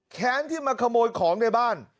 แค้นที่มาขโมยของในบ้าน